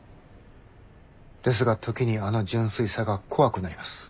ですが時にあの純粋さが怖くなります。